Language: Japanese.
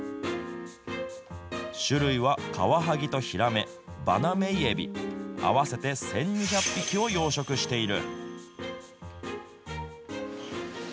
種類はカワハギとヒラメ、バナメイエビ、合わせて１２００匹を養殖している。